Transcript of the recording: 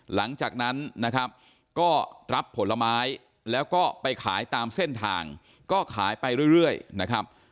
หลังจากนั้นนะครับก็รับผลไม้แล้วก็ไปขายตามเส้นทางก็ขายไปเรื่อยนะครับ